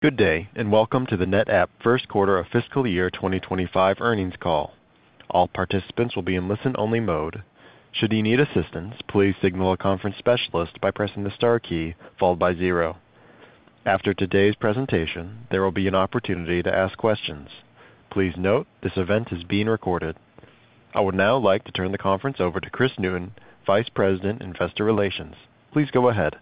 Good day, and welcome to the NetApp first quarter of fiscal year 2025 earnings call. All participants will be in listen-only mode. Should you need assistance, please signal a conference specialist by pressing the star key followed by zero. After today's presentation, there will be an opportunity to ask questions. Please note, this event is being recorded. I would now like to turn the conference over to Kris Newton, Vice President, Investor Relations. Please go ahead.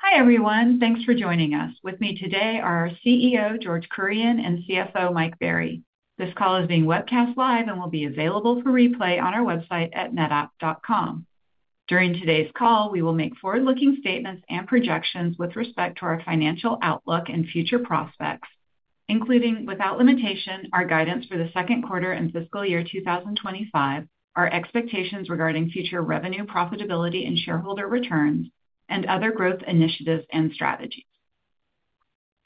Hi, everyone. Thanks for joining us. With me today are our CEO, George Kurian, and CFO, Mike Berry. This call is being webcast live and will be available for replay on our website at NetApp.com. During today's call, we will make forward-looking statements and projections with respect to our financial outlook and future prospects, including, without limitation, our guidance for the second quarter and fiscal year 2025, our expectations regarding future revenue, profitability, and shareholder returns, and other growth initiatives and strategies.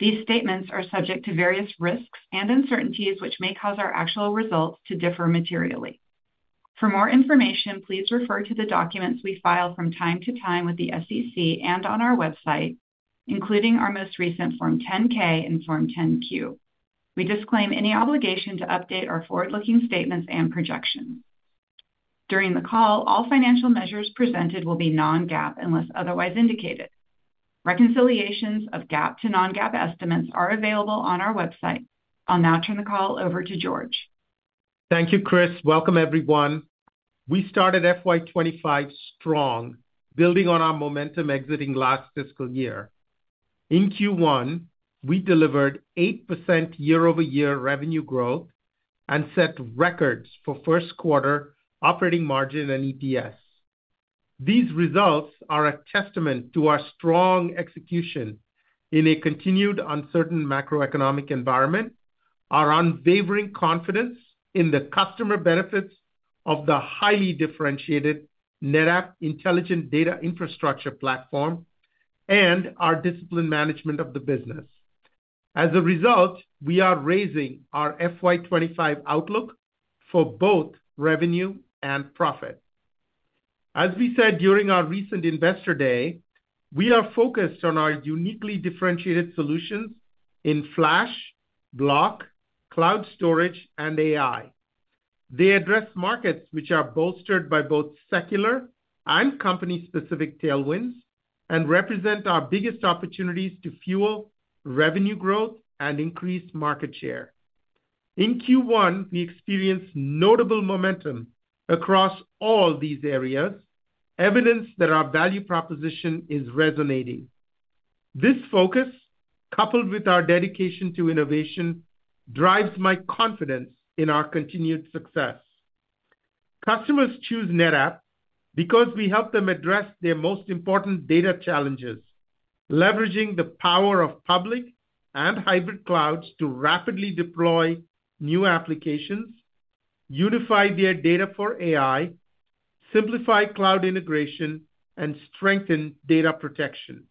These statements are subject to various risks and uncertainties, which may cause our actual results to differ materially. For more information, please refer to the documents we file from time to time with the SEC and on our website, including our most recent Form 10-K and Form 10-Q. We disclaim any obligation to update our forward-looking statements and projections. During the call, all financial measures presented will be non-GAAP, unless otherwise indicated. Reconciliations of GAAP to non-GAAP estimates are available on our website. I'll now turn the call over to George. Thank you, Kris. Welcome, everyone. We started FY 2025 strong, building on our momentum exiting last fiscal year. In Q1, we delivered 8% year-over-year revenue growth and set records for first quarter operating margin and EPS. These results are a testament to our strong execution in a continued uncertain macroeconomic environment, our unwavering confidence in the customer benefits of the highly differentiated NetApp intelligent data infrastructure platform, and our disciplined management of the business. As a result, we are raising our FY 2025 outlook for both revenue and profit. As we said during our recent Investor Day, we are focused on our uniquely differentiated solutions in flash, block, cloud storage, and AI. They address markets which are bolstered by both secular and company-specific tailwinds and represent our biggest opportunities to fuel revenue growth and increase market share. In Q1, we experienced notable momentum across all these areas, evidence that our value proposition is resonating. This focus, coupled with our dedication to innovation, drives my confidence in our continued success. Customers choose NetApp because we help them address their most important data challenges, leveraging the power of public and hybrid clouds to rapidly deploy new applications, unify their data for AI, simplify cloud integration, and strengthen data protection.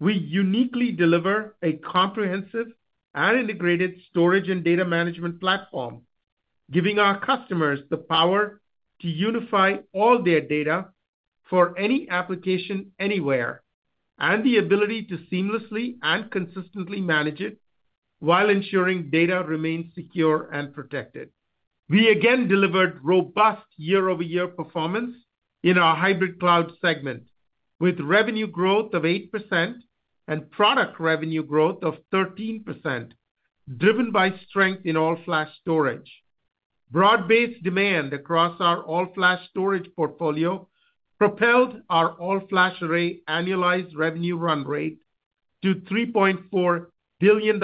We uniquely deliver a comprehensive and integrated storage and data management platform, giving our customers the power to unify all their data for any application, anywhere, and the ability to seamlessly and consistently manage it while ensuring data remains secure and protected. We again delivered robust year-over-year performance in our hybrid cloud segment, with revenue growth of 8% and product revenue growth of 13%, driven by strength in all-flash storage. Broad-based demand across our all-flash storage portfolio propelled our all-flash array annualized revenue run rate to $3.4 billion,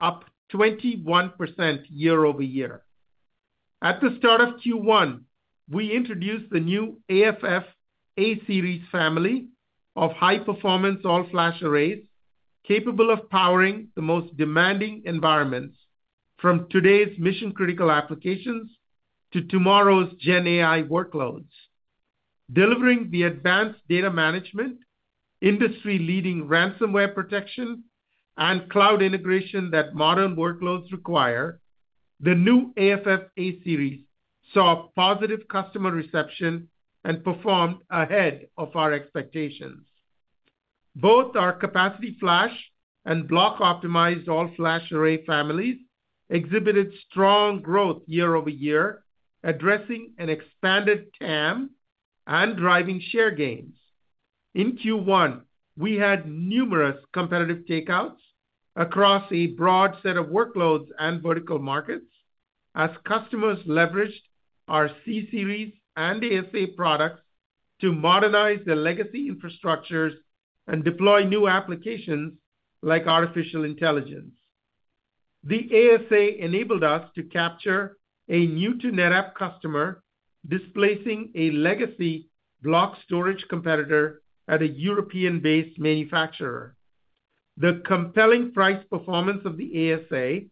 up 21% year-over-year. At the start of Q1, we introduced the new AFF A-Series family of high-performance all-flash arrays, capable of powering the most demanding environments, from today's mission-critical applications to tomorrow's GenAI workloads. Delivering the advanced data management, industry-leading ransomware protection, and cloud integration that modern workloads require, the new AFF A-Series saw positive customer reception and performed ahead of our expectations. Both our capacity-optimized and block-optimized all-flash array families exhibited strong growth year-over-year, addressing an expanded TAM and driving share gains. In Q1, we had numerous competitive takeouts across a broad set of workloads and vertical markets as customers leveraged our C-Series and ASA products to modernize their legacy infrastructures and deploy new applications like artificial intelligence. The ASA enabled us to capture a new-to-NetApp customer, displacing a legacy block storage competitor at a European-based manufacturer. The compelling price performance of the ASA,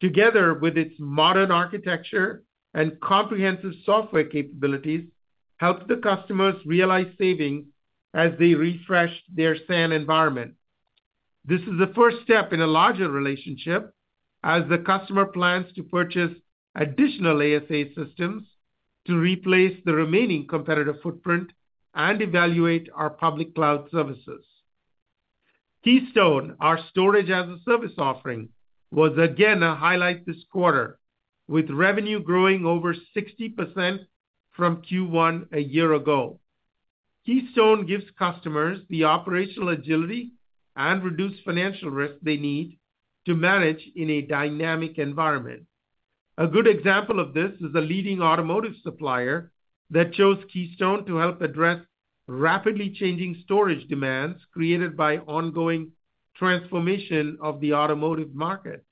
together with its modern architecture and comprehensive software capabilities, helped the customers realize savings as they refreshed their SAN environment. This is the first step in a larger relationship as the customer plans to purchase additional ASA systems to replace the remaining competitive footprint and evaluate our public cloud services. Keystone, our storage-as-a-service offering, was again a highlight this quarter, with revenue growing over 60% from Q1 a year ago. Keystone gives customers the operational agility and reduced financial risk they need to manage in a dynamic environment. A good example of this is a leading automotive supplier that chose Keystone to help address rapidly changing storage demands created by ongoing transformation of the automotive market.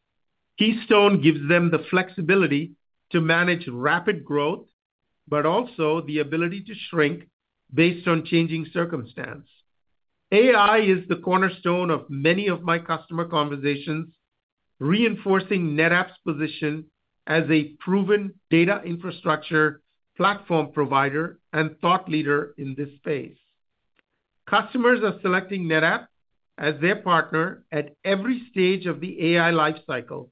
Keystone gives them the flexibility to manage rapid growth, but also the ability to shrink based on changing circumstance. AI is the cornerstone of many of my customer conversations, reinforcing NetApp's position as a proven data infrastructure platform provider and thought leader in this space. Customers are selecting NetApp as their partner at every stage of the AI life cycle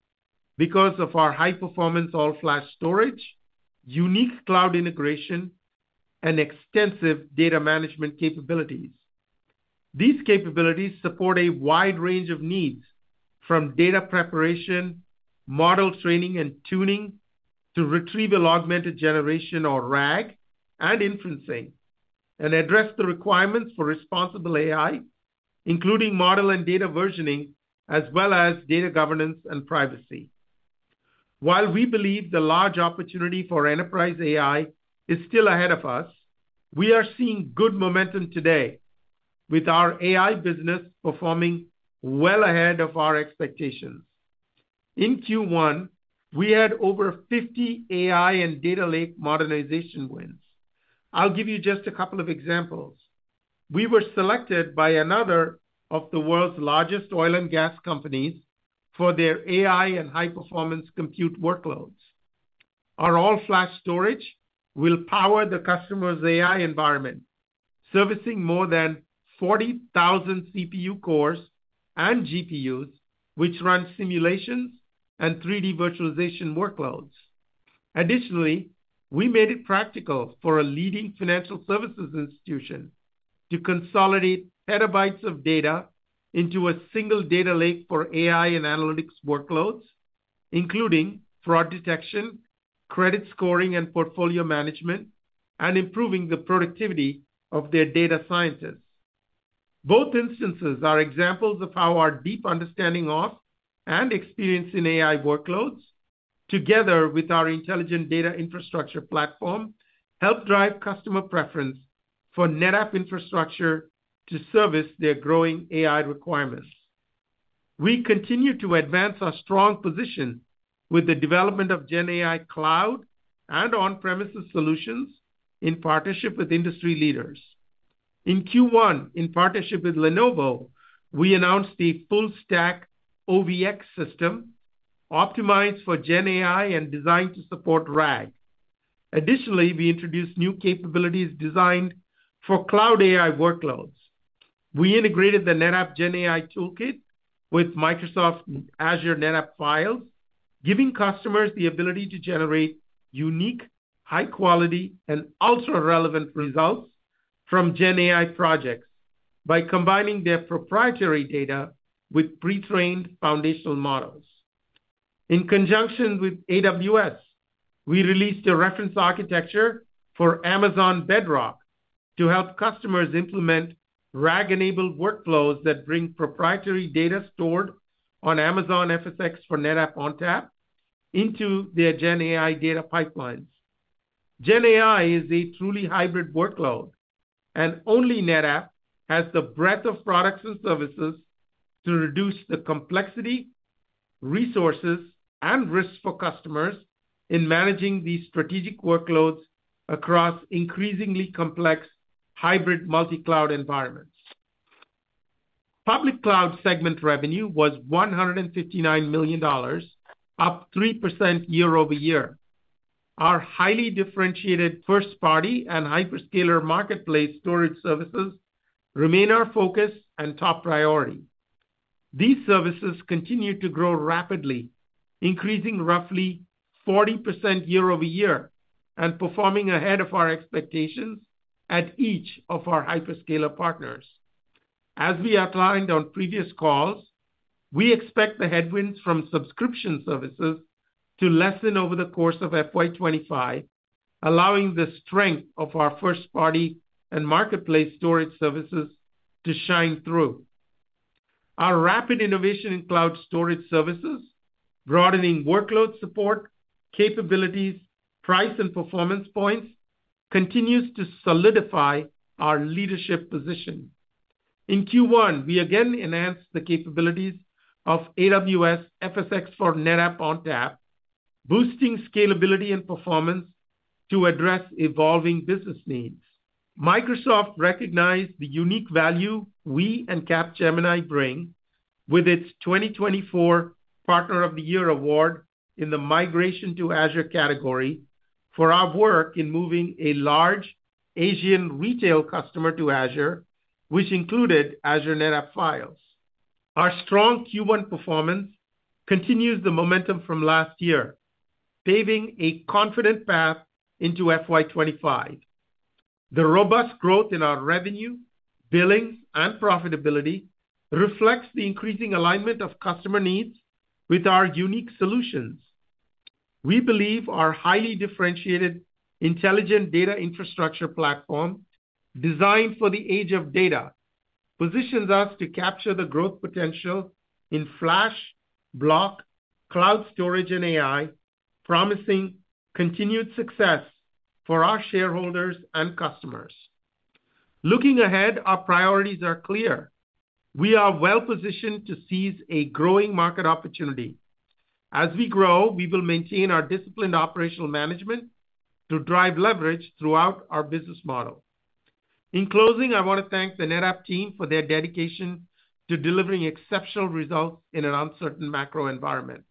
because of our high-performance all-flash storage, unique cloud integration, and extensive data management capabilities. These capabilities support a wide range of needs, from data preparation, model training and tuning, to retrieval, augmented generation or RAG, and inferencing, and address the requirements for responsible AI, including model and data versioning, as well as data governance and privacy. While we believe the large opportunity for enterprise AI is still ahead of us, we are seeing good momentum today, with our AI business performing well ahead of our expectations. In Q1, we had over 50 AI and data lake modernization wins. I'll give you just a couple of examples. We were selected by another of the world's largest oil and gas companies for their AI and high-performance compute workloads. Our all-flash storage will power the customer's AI environment, servicing more than 40,000 CPU cores and GPUs, which run simulations and 3D virtualization workloads. Additionally, we made it practical for a leading financial services institution to consolidate petabytes of data into a single data lake for AI and analytics workloads, including fraud detection, credit scoring, and portfolio management, and improving the productivity of their data scientists. Both instances are examples of how our deep understanding of and experience in AI workloads, together with our intelligent data infrastructure platform, help drive customer preference for NetApp infrastructure to service their growing AI requirements. We continue to advance our strong position with the development of GenAI cloud and on-premises solutions in partnership with industry leaders. In Q1, in partnership with Lenovo, we announced the full stack OVX system, optimized for GenAI and designed to support RAG. Additionally, we introduced new capabilities designed for cloud AI workloads. We integrated the NetApp GenAI Toolkit with Microsoft Azure NetApp Files, giving customers the ability to generate unique, high quality, and ultra-relevant results from GenAI projects by combining their proprietary data with pre-trained foundational models. In conjunction with AWS, we released a reference architecture for Amazon Bedrock to help customers implement RAG-enabled workflows that bring proprietary data stored on Amazon FSx for NetApp ONTAP into their GenAI data pipelines. GenAI is a truly hybrid workload, and only NetApp has the breadth of products and services to reduce the complexity, resources, and risks for customers in managing these strategic workloads across increasingly complex hybrid multi-cloud environments. Public cloud segment revenue was $159 million, up 3% year-over-year. Our highly differentiated first-party and hyperscaler marketplace storage services remain our focus and top priority. These services continue to grow rapidly, increasing roughly 40% year-over-year and performing ahead of our expectations at each of our hyperscaler partners. As we outlined on previous calls, we expect the headwinds from subscription services to lessen over the course of FY 2025, allowing the strength of our first-party and marketplace storage services to shine through. Our rapid innovation in cloud storage services, broadening workload support, capabilities, price, and performance points, continues to solidify our leadership position. In Q1, we again enhanced the capabilities of Amazon FSx for NetApp ONTAP, boosting scalability and performance to address evolving business needs. Microsoft recognized the unique value we and Capgemini bring with its 2024 Partner of the Year award in the Migration to Azure category for our work in moving a large Asian retail customer to Azure, which included Azure NetApp Files. Our strong Q1 performance continues the momentum from last year, paving a confident path into FY 2025. The robust growth in our revenue, billings, and profitability reflects the increasing alignment of customer needs with our unique solutions. We believe our highly differentiated intelligent data infrastructure platform, designed for the age of data, positions us to capture the growth potential in flash, block, cloud storage, and AI, promising continued success for our shareholders and customers. Looking ahead, our priorities are clear. We are well-positioned to seize a growing market opportunity. As we grow, we will maintain our disciplined operational management to drive leverage throughout our business model. In closing, I want to thank the NetApp team for their dedication to delivering exceptional results in an uncertain macro environment.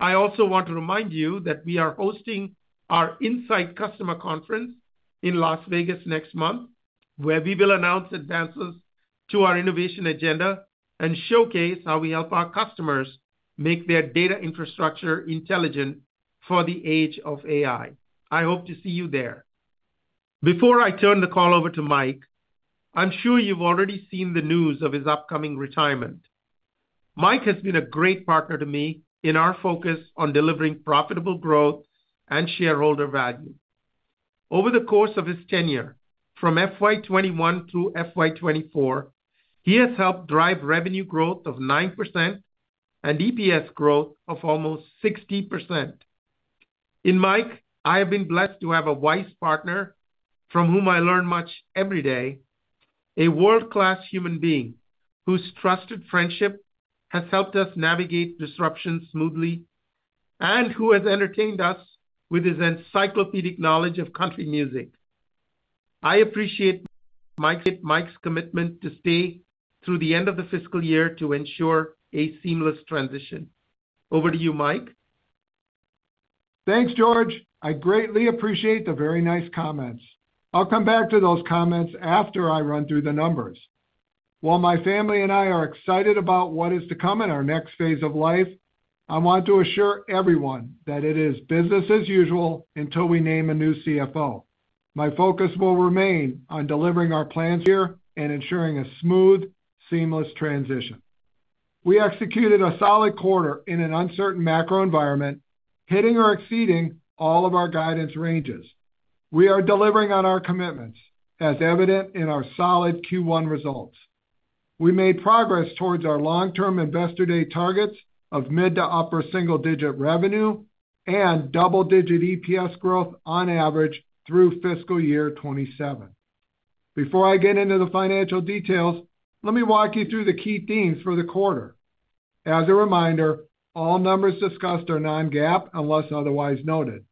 I also want to remind you that we are hosting our Insight Customer Conference in Las Vegas next month, where we will announce advances to our innovation agenda and showcase how we help our customers make their data infrastructure intelligent for the age of AI. I hope to see you there. Before I turn the call over to Mike, I'm sure you've already seen the news of his upcoming retirement. Mike has been a great partner to me in our focus on delivering profitable growth and shareholder value. Over the course of his tenure, from FY 2021 through FY 2024, he has helped drive revenue growth of 9% and EPS growth of almost 60%. In Mike, I have been blessed to have a wise partner from whom I learn much every day, a world-class human being whose trusted friendship has helped us navigate disruptions smoothly, and who has entertained us with his encyclopedic knowledge of country music. I appreciate Mike's commitment to stay through the end of the fiscal year to ensure a seamless transition. Over to you, Mike. Thanks, George. I greatly appreciate the very nice comments. I'll come back to those comments after I run through the numbers. While my family and I are excited about what is to come in our next phase of life, I want to assure everyone that it is business as usual until we name a new CFO. My focus will remain on delivering our plans here and ensuring a smooth, seamless transition. We executed a solid quarter in an uncertain macro environment, hitting or exceeding all of our guidance ranges. We are delivering on our commitments, as evident in our solid Q1 results. We made progress towards our long-term Investor Day targets of mid to upper single-digit revenue and double-digit EPS growth on average through fiscal year 2027. Before I get into the financial details, let me walk you through the key themes for the quarter. As a reminder, all numbers discussed are non-GAAP, unless otherwise noted.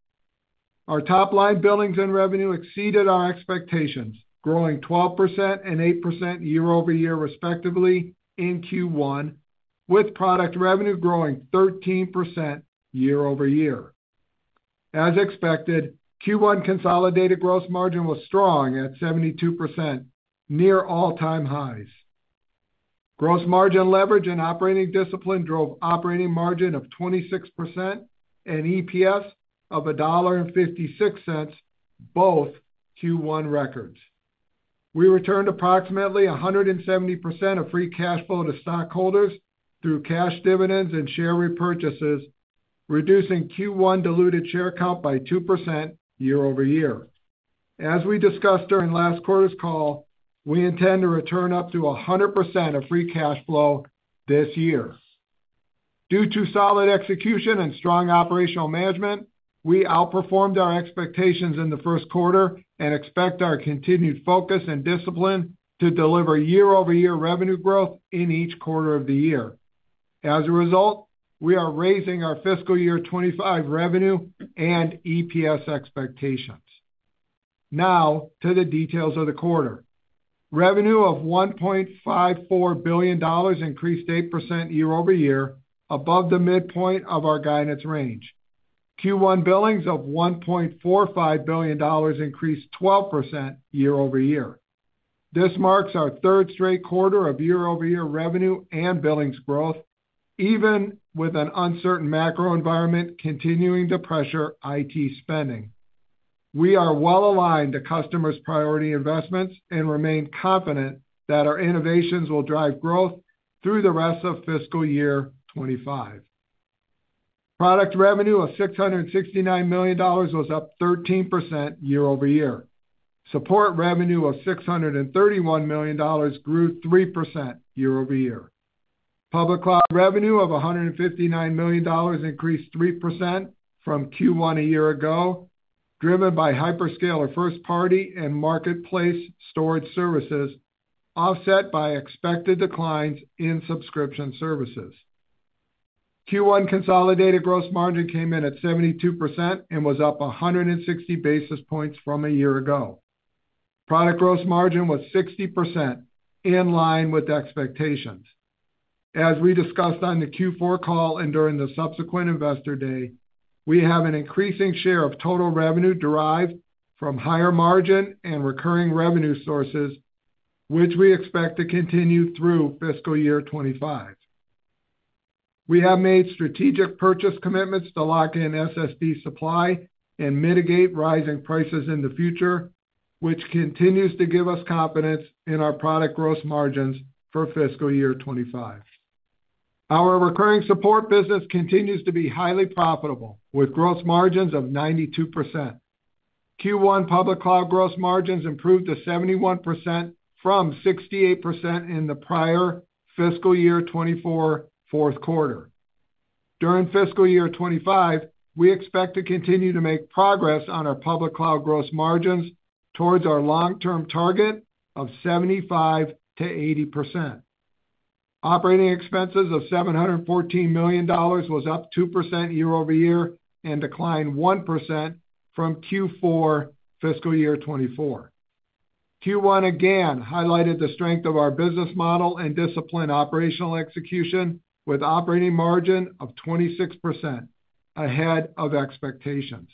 Our top-line billings and revenue exceeded our expectations, growing 12% and 8% year-over-year, respectively, in Q1, with product revenue growing 13% year-over-year. As expected, Q1 consolidated gross margin was strong at 72%, near all-time highs. Gross margin leverage and operating discipline drove operating margin of 26% and EPS of $1.56, both Q1 records. We returned approximately 170% of free cash flow to stockholders through cash dividends and share repurchases, reducing Q1 diluted share count by 2% year-over-year. As we discussed during last quarter's call, we intend to return up to 100% of free cash flow this year. Due to solid execution and strong operational management, we outperformed our expectations in the first quarter and expect our continued focus and discipline to deliver year-over-year revenue growth in each quarter of the year. As a result, we are raising our fiscal year 2025 revenue and EPS expectations. Now to the details of the quarter. Revenue of $1.54 billion increased 8% year-over-year, above the midpoint of our guidance range. Q1 billings of $1.45 billion increased 12% year-over-year. This marks our third straight quarter of year over year revenue and billings growth, even with an uncertain macro environment continuing to pressure IT spending. We are well aligned to customers' priority investments and remain confident that our innovations will drive growth through the rest of fiscal year 2025. Product revenue of $669 million was up 13% year-over year. Support revenue of $631 million grew 3% year-over-year. Public cloud revenue of $159 million increased 3% from Q1 a year ago, driven by hyperscaler first party and marketplace storage services, offset by expected declines in subscription services. Q1 consolidated gross margin came in at 72% and was up 160 basis points from a year ago. Product gross margin was 60%, in line with expectations. As we discussed on the Q4 call and during the subsequent Investor Day. We have an increasing share of total revenue derived from higher margin and recurring revenue sources, which we expect to continue through fiscal year 2025. We have made strategic purchase commitments to lock in SSD supply and mitigate rising prices in the future, which continues to give us confidence in our product gross margins for fiscal year 2025. Our recurring support business continues to be highly profitable, with gross margins of 92%. Q1 public cloud gross margins improved to 71% from 68% in the prior fiscal year 2024, fourth quarter. During fiscal year 2025, we expect to continue to make progress on our public cloud gross margins towards our long-term target of 75%-80%. Operating expenses of $714 million was up 2% year-over year and declined 1% from Q4 fiscal year 2024. Q1 again highlighted the strength of our business model and disciplined operational execution with operating margin of 26% ahead of expectations.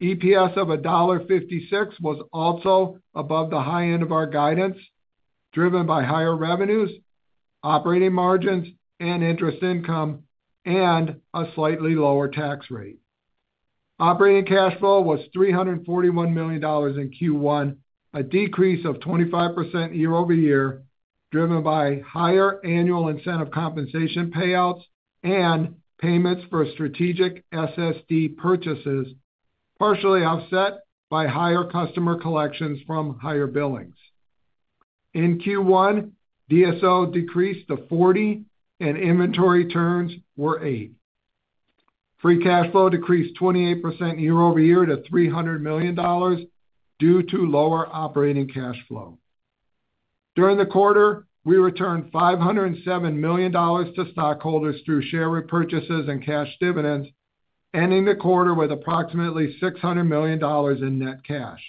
EPS of $1.56 was also above the high end of our guidance, driven by higher revenues, operating margins, and interest income, and a slightly lower tax rate. Operating cash flow was $341 million in Q1, a decrease of 25% year-over-year, driven by higher annual incentive compensation payouts and payments for strategic SSD purchases, partially offset by higher customer collections from higher billings. In Q1, DSO decreased to 40, and inventory turns were eight. Free cash flow decreased 28% year-over-year to $300 million due to lower operating cash flow. During the quarter, we returned $507 million to stockholders through share repurchases and cash dividends, ending the quarter with approximately $600 million in net cash.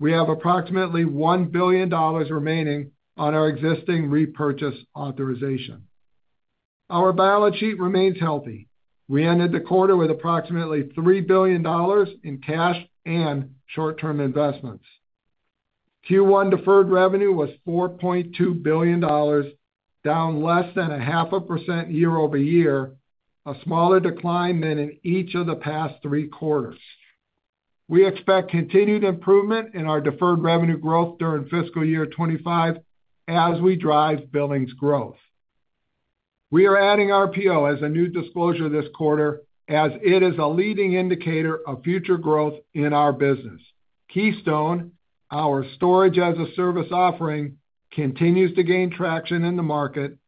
We have approximately $1 billion remaining on our existing repurchase authorization. Our balance sheet remains healthy. We ended the quarter with approximately $3 billion in cash and short-term investments. Q1 deferred revenue was $4.2 billion, down less than 0.5% year-over-year, a smaller decline than in each of the past three quarters. We expect continued improvement in our deferred revenue growth during fiscal year 2025 as we drive billings growth. We are adding RPO as a new disclosure this quarter, as it is a leading indicator of future growth in our business. Keystone, our storage-as-a-service offering, continues to gain traction in the market,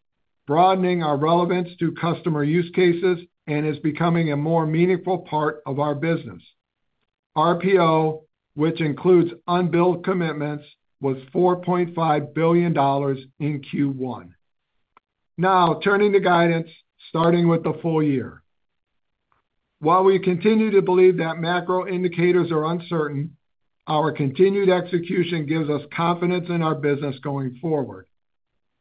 broadening our relevance to customer use cases and is becoming a more meaningful part of our business. RPO, which includes unbilled commitments, was $4.5 billion in Q1. Now, turning to guidance, starting with the full year. While we continue to believe that macro indicators are uncertain, our continued execution gives us confidence in our business going forward.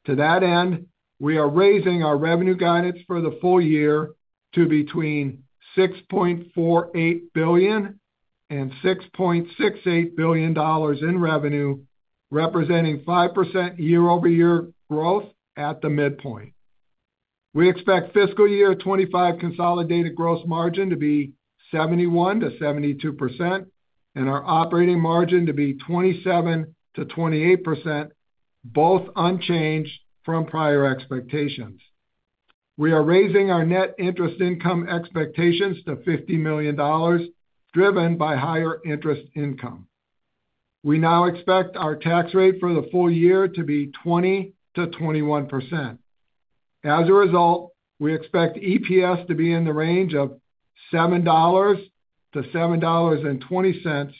To that end, we are raising our revenue guidance for the full year to between $6.48 billion and $6.68 billion in revenue, representing 5% year-over-year growth at the midpoint. We expect fiscal year 2025 consolidated gross margin to be 71%-72%, and our operating margin to be 27%-28%, both unchanged from prior expectations. We are raising our net interest income expectations to $50 million, driven by higher interest income. We now expect our tax rate for the full year to be 20%-21%. As a result, we expect EPS to be in the range of $7.00-$7.20,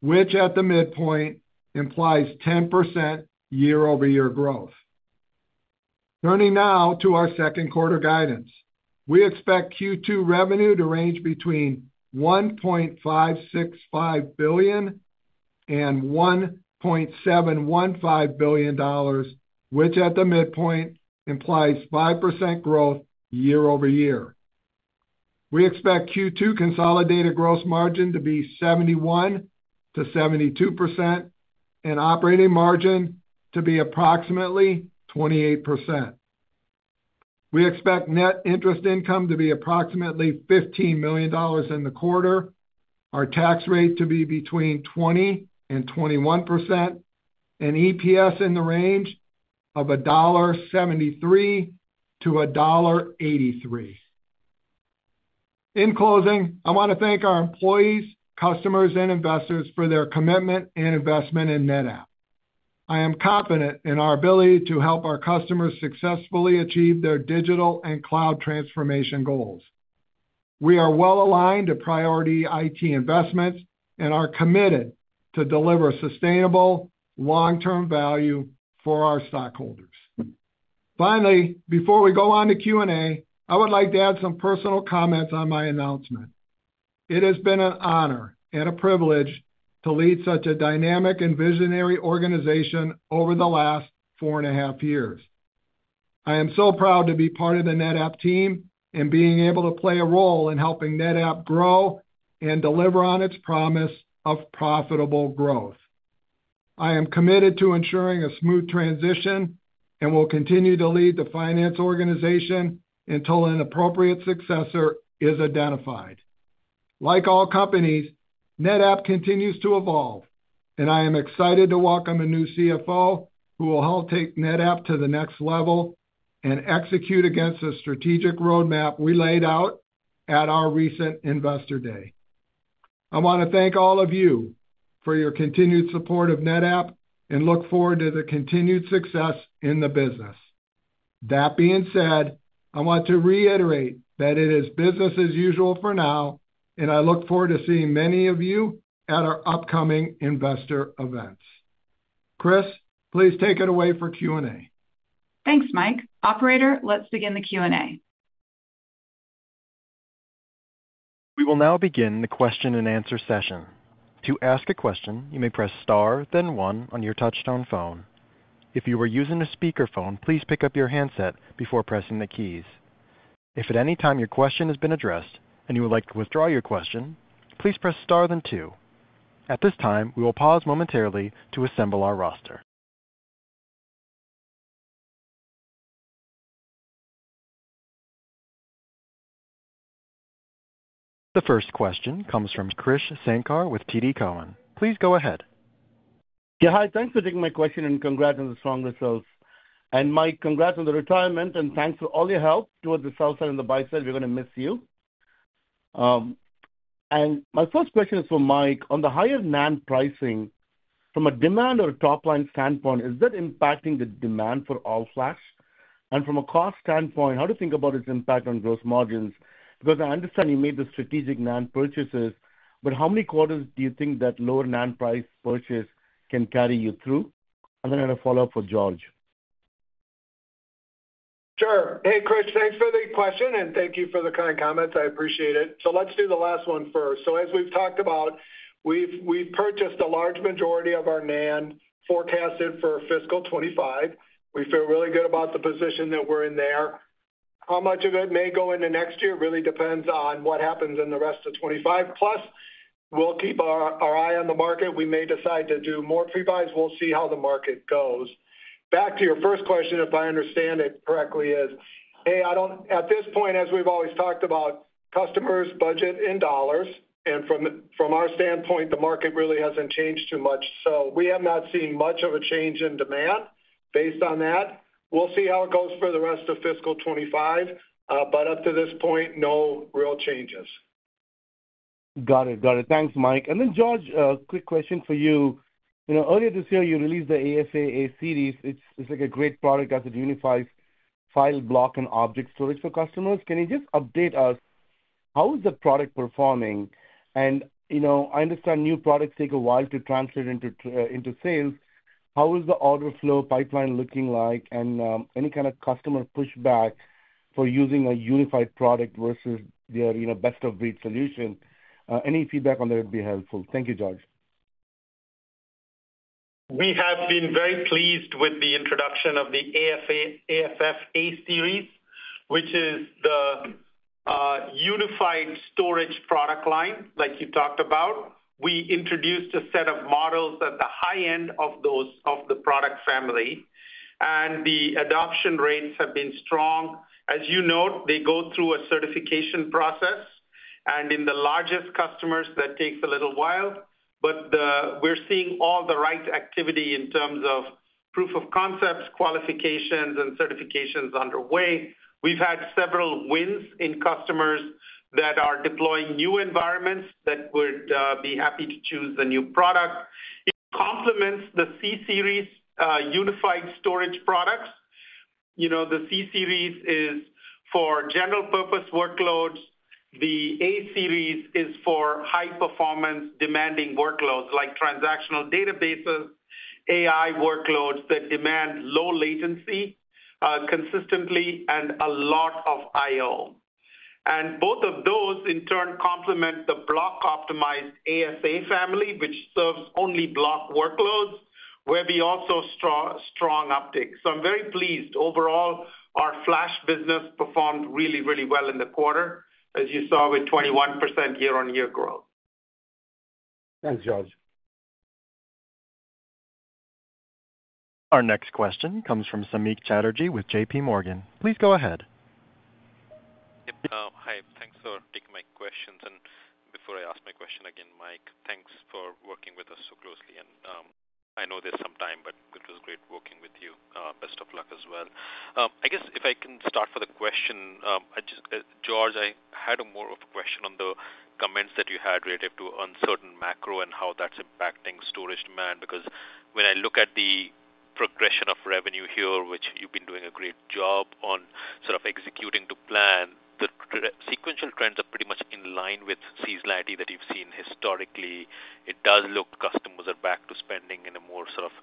which at the midpoint implies 10% year-over-year growth. Turning now to our second quarter guidance. We expect Q2 revenue to range between $1.565 billion and $1.715 billion, which at the midpoint implies 5% growth year over year. We expect Q2 consolidated gross margin to be 71%-72% and operating margin to be approximately 28%. We expect net interest income to be approximately $15 million in the quarter, our tax rate to be between 20% and 21%, and EPS in the range of $1.73-$1.83. In closing, I want to thank our employees, customers, and investors for their commitment and investment in NetApp. I am confident in our ability to help our customers successfully achieve their digital and cloud transformation goals. We are well aligned to priority IT investments and are committed to deliver sustainable, long-term value for our stockholders. Finally, before we go on to Q&A, I would like to add some personal comments on my announcement. It has been an honor and a privilege to lead such a dynamic and visionary organization over the last four and a half years. I am so proud to be part of the NetApp team and being able to play a role in helping NetApp grow and deliver on its promise of profitable growth. I am committed to ensuring a smooth transition and will continue to lead the finance organization until an appropriate successor is identified. Like all companies, NetApp continues to evolve, and I am excited to welcome a new CFO who will help take NetApp to the next level and execute against the strategic roadmap we laid out at our recent Investor Day. I want to thank all of you for your continued support of NetApp and look forward to the continued success in the business. That being said, I want to reiterate that it is business as usual for now, and I look forward to seeing many of you at our upcoming investor events. Kris, please take it away for Q&A. Thanks, Mike. Operator, let's begin the Q&A. We will now begin the question-and-answer session. To ask a question, you may press star then one on your touchtone phone. If you are using a speakerphone, please pick up your handset before pressing the keys. If at any time your question has been addressed and you would like to withdraw your question, please press star then two. At this time, we will pause momentarily to assemble our roster. The first question comes from Krish Sankar with TD Cowen. Please go ahead. Yeah, hi. Thanks for taking my question, and congrats on the strong results. And, Mike, congrats on the retirement, and thanks for all your help towards the sell side and the buy side. We're going to miss you. And my first question is for Mike. On the higher NAND pricing, from a demand or a top-line standpoint, is that impacting the demand for all flash? And from a cost standpoint, how do you think about its impact on gross margins? Because I understand you made the strategic NAND purchases, but how many quarters do you think that lower NAND price purchase can carry you through? And then I have a follow-up for George. Sure. Hey, Krish, thanks for the question, and thank you for the kind comments. I appreciate it. So let's do the last one first. So as we've talked about, we've purchased a large majority of our NAND forecasted for fiscal 2025. We feel really good about the position that we're in there. How much of it may go into next year really depends on what happens in the rest of 2025. Plus, we'll keep our eye on the market. We may decide to do more pre-buys. We'll see how the market goes. Back to your first question, if I understand it correctly, at this point, as we've always talked about, customers budget in dollars, and from our standpoint, the market really hasn't changed too much. So we have not seen much of a change in demand based on that. We'll see how it goes for the rest of fiscal 2025, but up to this point, no real changes. Got it. Got it. Thanks, Mike. And then, George, a quick question for you. You know, earlier this year, you released the AFF A-Series. It's like a great product as it unifies file, block, and object storage for customers. Can you just update us, how is the product performing? And, you know, I understand new products take a while to translate into sales. How is the order flow pipeline looking like? And, any kind of customer pushback for using a unified product versus their, you know, best-of-breed solution? Any feedback on that would be helpful. Thank you, George. We have been very pleased with the introduction of the AFF A-Series, which is the unified storage product line, like you talked about. We introduced a set of models at the high end of those, of the product family, and the adoption rates have been strong. As you know, they go through a certification process, and in the largest customers, that takes a little while. But we're seeing all the right activity in terms of proof of concepts, qualifications, and certifications underway. We've had several wins in customers that are deploying new environments that would be happy to choose the new product. It complements the C-Series unified storage products. You know, the C-Series is for general purpose workloads. The A-Series is for high-performance, demanding workloads like transactional databases, AI workloads that demand low latency, consistently, and a lot of IO, and both of those, in turn, complement the block-optimized ASA family, which serves only block workloads, where we also saw strong uptick, so I'm very pleased. Overall, our flash business performed really, really well in the quarter, as you saw with 21% year-on-year growth. Thanks, George. Our next question comes from Samik Chatterjee with JP Morgan. Please go ahead. Yep. Hi, thanks for taking my questions. And before I ask my question, again, Mike, thanks for working with us so closely and, I know there's some time, but it was great working with you. Best of luck as well. I guess if I can start for the question, I just George, I had a more of a question on the comments that you had related to uncertain macro and how that's impacting storage demand. Because when I look at the progression of revenue here, which you've been doing a great job on sort of executing to plan, the sequential trends are pretty much in line with seasonality that you've seen historically. It does look customers are back to spending in a more sort of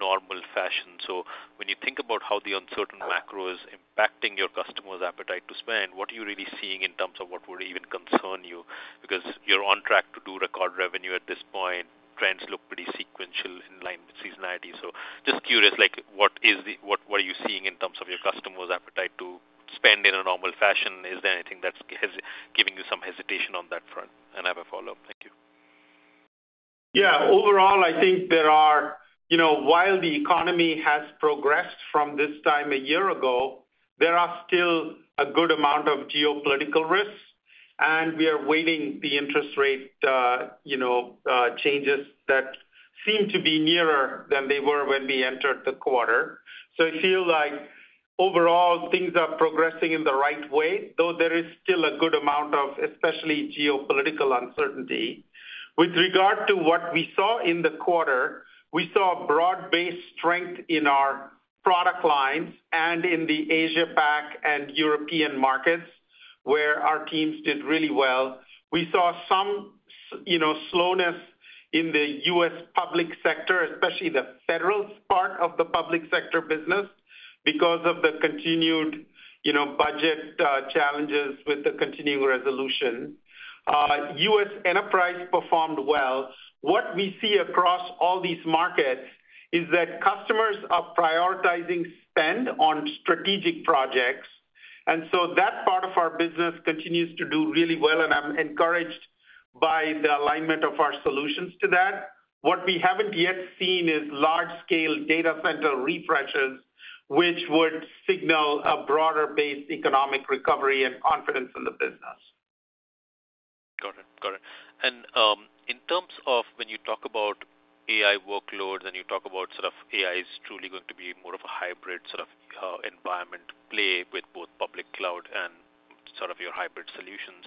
normal fashion. So when you think about how the uncertain macro is impacting your customers' appetite to spend, what are you really seeing in terms of what would even concern you? Because you're on track to do record revenue at this point. Trends look pretty similar in line with seasonality. So just curious, like, what are you seeing in terms of your customers' appetite to spend in a normal fashion? Is there anything that's giving you some hesitation on that front? And I have a follow-up. Thank you. Yeah. Overall, I think there are you know, while the economy has progressed from this time a year ago, there are still a good amount of geopolitical risks, and we are waiting the interest rate, you know, changes that seem to be nearer than they were when we entered the quarter. So it feels like overall things are progressing in the right way, though there is still a good amount of, especially geopolitical uncertainty. With regard to what we saw in the quarter, we saw a broad-based strength in our product lines and in the Asia Pac and European markets, where our teams did really well. We saw some you know, slowness in the U.S. public sector, especially the federal part of the public sector business, because of the continued, you know, budget challenges with the continuing resolution. U.S. enterprise performed well. What we see across all these markets is that customers are prioritizing spend on strategic projects, and so that part of our business continues to do really well, and I'm encouraged by the alignment of our solutions to that. What we haven't yet seen is large-scale data center refreshes, which would signal a broader-based economic recovery and confidence in the business. Got it. Got it. And, in terms of when you talk about AI workloads, and you talk about sort of AI is truly going to be more of a hybrid sort of, environment play with both public cloud and sort of your hybrid solutions.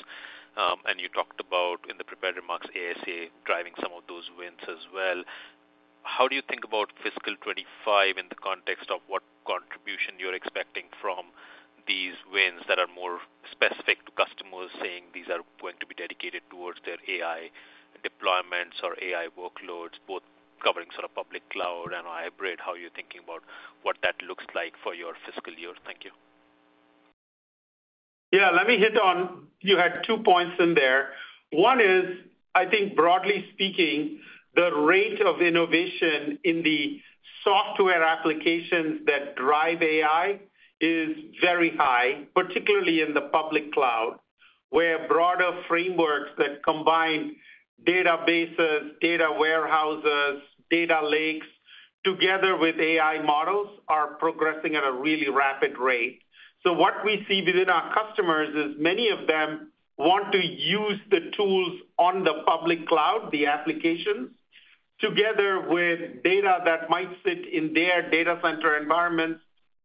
And you talked about in the prepared remarks, ASA driving some of those wins as well. How do you think about fiscal 2025 in the context of what contribution you're expecting from these wins that are more specific to customers saying these are going to be dedicated towards their AI deployments or AI workloads, both covering sort of public cloud and hybrid? How are you thinking about what that looks like for your fiscal year? Thank you. Yeah, let me hit on. You had two points in there. One is, I think, broadly speaking, the rate of innovation in the software applications that drive AI is very high, particularly in the public cloud, where broader frameworks that combine databases, data warehouses, data lakes, together with AI models, are progressing at a really rapid rate. So what we see within our customers is many of them want to use the tools on the public cloud, the applications, together with data that might sit in their data center environments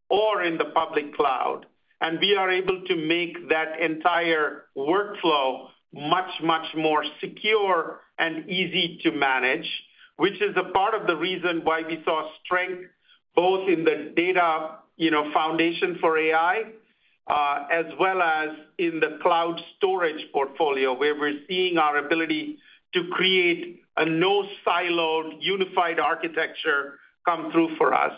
or in the public cloud. We are able to make that entire workflow much, much more secure and easy to manage, which is a part of the reason why we saw strength both in the data, you know, foundation for AI, as well as in the cloud storage portfolio, where we're seeing our ability to create a no-siloed, unified architecture come through for us.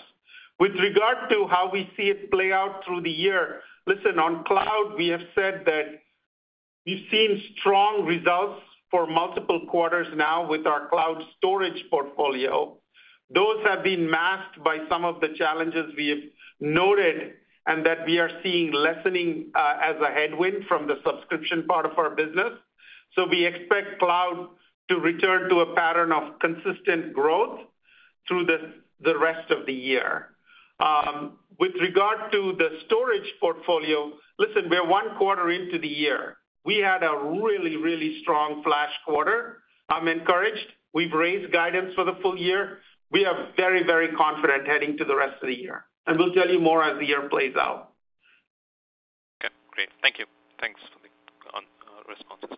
With regard to how we see it play out through the year, listen, on cloud, we have said that we've seen strong results for multiple quarters now with our cloud storage portfolio. Those have been masked by some of the challenges we have noted and that we are seeing lessening, as a headwind from the subscription part of our business. So we expect cloud to return to a pattern of consistent growth through the rest of the year. With regard to the storage portfolio, listen, we are one quarter into the year. We had a really, really strong flash quarter. I'm encouraged. We've raised guidance for the full year. We are very, very confident heading to the rest of the year, and we'll tell you more as the year plays out. Okay, great. Thank you. Thanks for the responses.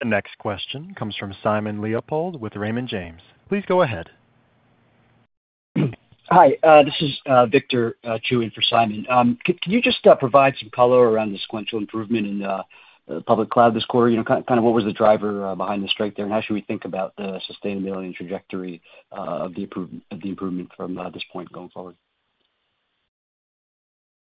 Thank you. The next question comes from Simon Leopold with Raymond James. Please go ahead. Hi, this is Victor Chiu, in for Simon. Can you just provide some color around the sequential improvement in public cloud this quarter? You know, kind of what was the driver behind the strike there, and how should we think about the sustainability and trajectory of the improvement from this point going forward?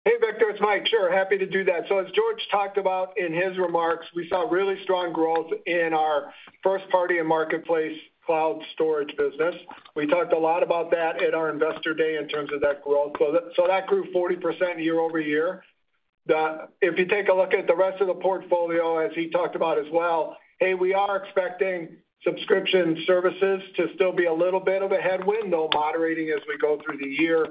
Hey, Victor, it's Mike. Sure, happy to do that. So as George talked about in his remarks, we saw really strong growth in our first party and marketplace cloud storage business. We talked a lot about that at our Investor Day in terms of that growth. So that, so that grew 40% year-over-year. Then, if you take a look at the rest of the portfolio, as he talked about as well, hey, we are expecting subscription services to still be a little bit of a headwind, though moderating as we go through the year.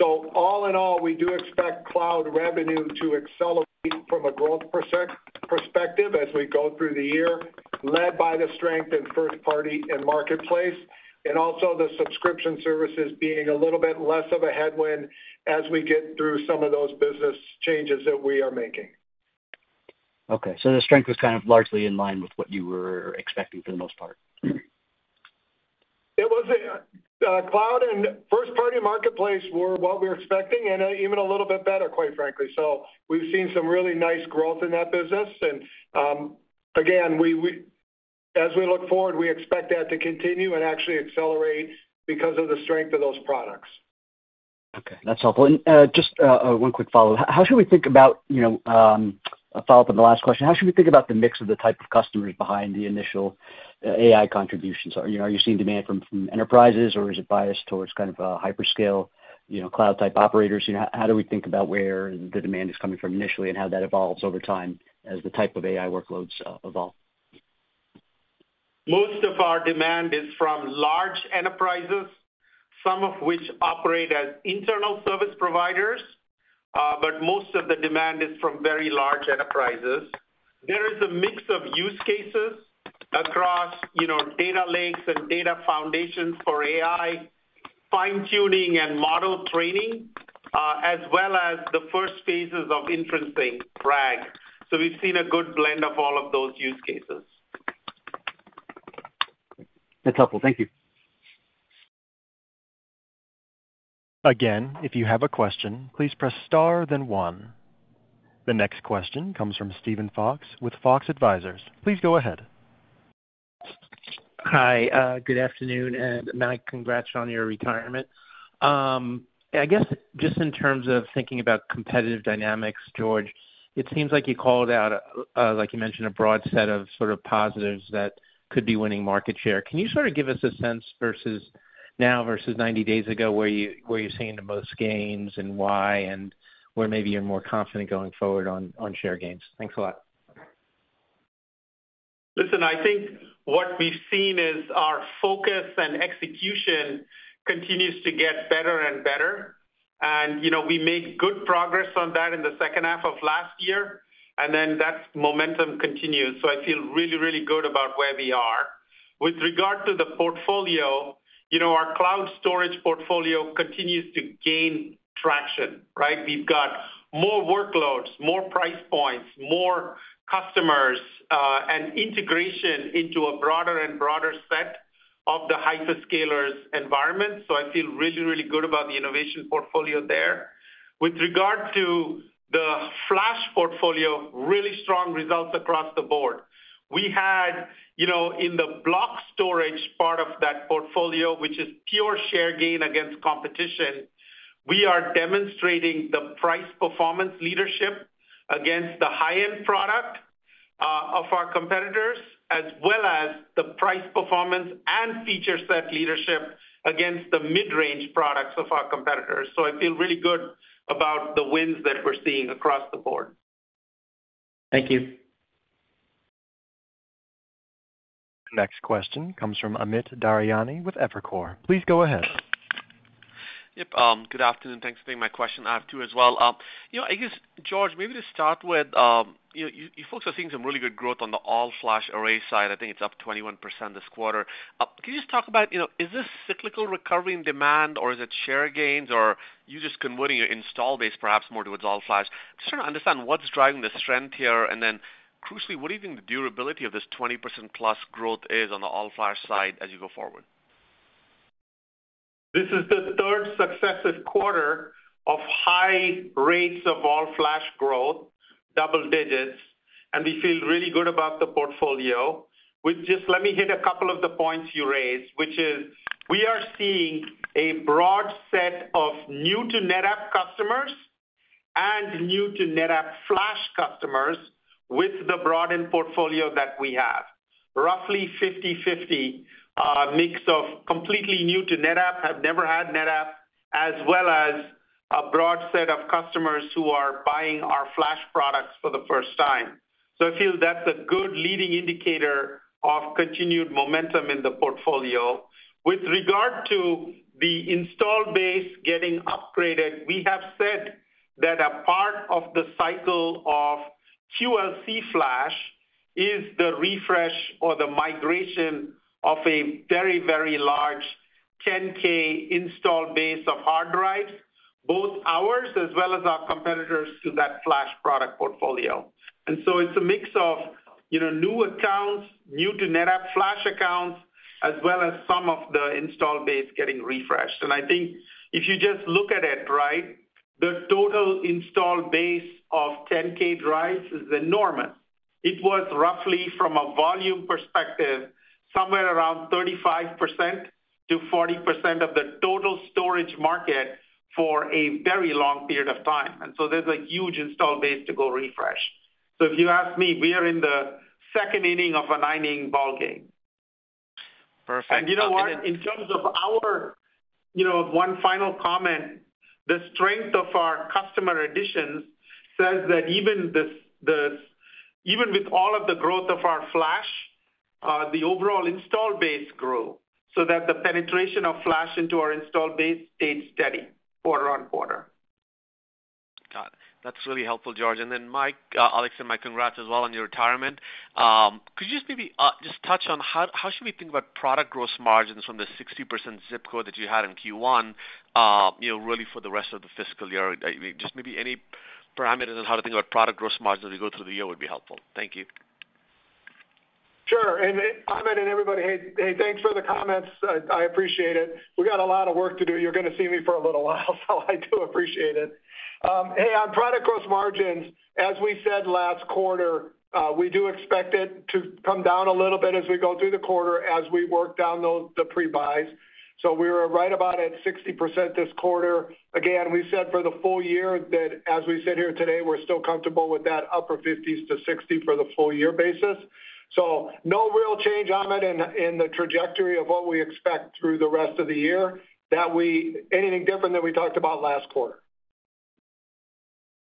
All in all, we do expect cloud revenue to accelerate from a growth perspective as we go through the year, led by the strength in first party and marketplace, and also the subscription services being a little bit less of a headwind as we get through some of those business changes that we are making. Okay, so the strength was kind of largely in line with what you were expecting for the most part? It was cloud and first-party marketplace were what we were expecting, and even a little bit better, quite frankly. So we've seen some really nice growth in that business. And again, as we look forward, we expect that to continue and actually accelerate because of the strength of those products. Okay, that's helpful. And, just, one quick follow-up. How should we think about, you know, a follow-up on the last question, how should we think about the mix of the type of customers behind the initial, AI contributions? Are, you know, are you seeing demand from, from enterprises, or is it biased towards kind of, hyperscale, you know, cloud-type operators? You know, how do we think about where the demand is coming from initially and how that evolves over time as the type of AI workloads, evolve? Most of our demand is from large enterprises, some of which operate as internal service providers, but most of the demand is from very large enterprises. There is a mix of use cases across, you know, data lakes and data foundations for AI, fine-tuning and model training, as well as the first phases of inferencing RAG. So we've seen a good blend of all of those use cases. That's helpful. Thank you. Again, if you have a question, please press star, then one. The next question comes from Steven Fox with Fox Advisors. Please go ahead. Hi, good afternoon, and Mike, congrats on your retirement. I guess just in terms of thinking about competitive dynamics, George, it seems like you called out, like you mentioned, a broad set of sort of positives that could be winning market share. Can you sort of give us a sense versus now versus ninety days ago, where you're seeing the most gains and why, and where maybe you're more confident going forward on share gains? Thanks a lot. Listen, I think what we've seen is our focus and execution continues to get better and better, and, you know, we made good progress on that in the second half of last year, and then that momentum continues, so I feel really, really good about where we are. With regard to the portfolio, you know, our cloud storage portfolio continues to gain traction, right? We've got more workloads, more price points, more customers, and integration into a broader and broader set of the hyperscalers environment, so I feel really, really good about the innovation portfolio there. With regard to the flash portfolio, really strong results across the board. We had, you know, in the block storage part of that portfolio, which is pure share gain against competition, we are demonstrating the price-performance leadership against the high-end product of our competitors, as well as the price, performance, and feature set leadership against the mid-range products of our competitors. So I feel really good about the wins that we're seeing across the board. Thank you. Next question comes from Amit Daryanani with Evercore. Please go ahead. Yep, good afternoon. Thanks for taking my question. I have two as well. You know, I guess, George, maybe to start with, you folks are seeing some really good growth on the all-flash array side. I think it's up 21% this quarter. Can you just talk about, you know, is this cyclical recovery in demand, or is it share gains, or you just converting your install base perhaps more towards all-flash? Just trying to understand what's driving the strength here, and then, crucially, what do you think the durability of this 20% plus growth is on the all-flash array side as you go forward? This is the third successive quarter of high rates of all-flash growth, double-digit, and we feel really good about the portfolio. Let me hit a couple of the points you raised, which is we are seeing a broad set of new-to-NetApp customers and new-to-NetApp flash customers with the broadened portfolio that we have. Roughly fifty-fifty mix of completely new to NetApp, have never had NetApp, as well as a broad set of customers who are buying our flash products for the first time. So I feel that's a good leading indicator of continued momentum in the portfolio. With regard to the install base getting upgraded, we have said that a part of the cycle of QLC Flash is the refresh or the migration of a very, very large 10K install base of hard drives, both ours as well as our competitors, to that Flash product portfolio. It's a mix of, you know, new accounts, new to NetApp Flash accounts, as well as some of the install base getting refreshed. I think if you just look at it right, the total install base of 10K drives is enormous. It was roughly, from a volume perspective, somewhere around 35% to 40% of the total storage market for a very long period of time. There's a huge install base to go refresh. If you ask me, we are in the second inning of a nine-inning ballgame. Perfect. You know what? In terms of our. You know, one final comment, the strength of our customer additions says that even this, even with all of the growth of our Flash, the overall install base grew, so that the penetration of Flash into our install base stayed steady quarter on quarter. Got it. That's really helpful, George. And then, Mike, I'll extend my congrats as well on your retirement. Could you just maybe just touch on how should we think about product gross margins from the 60% zip code that you had in Q1, you know, really for the rest of the fiscal year? Just maybe any parameters on how to think about product gross margins as we go through the year would be helpful. Thank you. Sure. And Amit and everybody, hey, thanks for the comments. I appreciate it. We got a lot of work to do. You're gonna see me for a little while, so I do appreciate it. Hey, on product gross margins, as we said last quarter, we do expect it to come down a little bit as we go through the quarter as we work down those the pre-buys. So we're right about at 60% this quarter. Again, we said for the full year that, as we sit here today, we're still comfortable with that upper 50s to 60 for the full year basis. So no real change, Amit, in the trajectory of what we expect through the rest of the year, that's anything different than we talked about last quarter.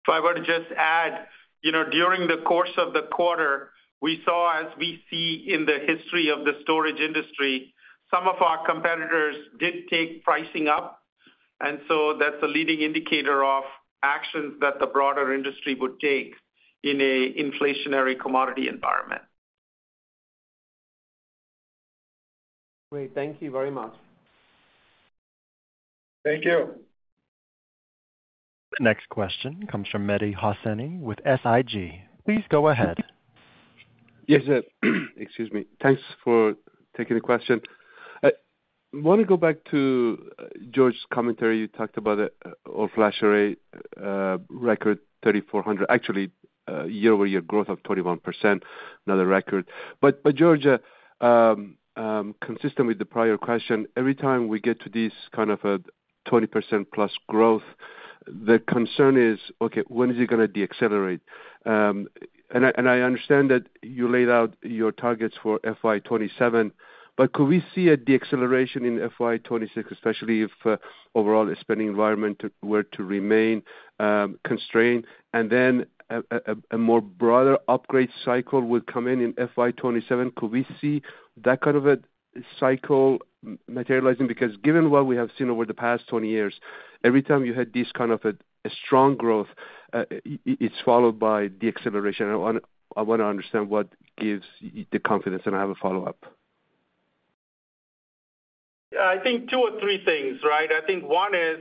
If I were to just add, you know, during the course of the quarter, we saw, as we see in the history of the storage industry, some of our competitors did take pricing up, and so that's a leading indicator of actions that the broader industry would take in an inflationary commodity environment. Great. Thank you very much. Thank you. Next question comes from Mehdi Hosseini with SIG. Please go ahead. Yes, excuse me. Thanks for taking the question. I want to go back to George's commentary. You talked about it, all flash array, record 3,400, actually, year-over-year growth of 21%, another record. But George, consistent with the prior question, every time we get to this kind of a 20%+ growth, the concern is, okay, when is it going to decelerate? And I understand that you laid out your targets for FY 2027, but could we see a deceleration in FY 2026, especially if overall spending environment were to remain constrained, and then a more broader upgrade cycle would come in in FY 2027? Could we see that kind of a cycle materializing? Because given what we have seen over the past 20 years, every time you had this kind of a strong growth, it's followed by deceleration. I want to understand what gives you the confidence, and I have a follow-up. I think two or three things, right? I think one is,